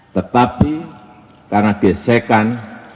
tetapi karena desekan